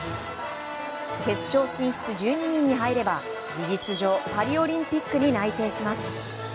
決勝進出１２人に入れば、事実上パリオリンピックに内定します。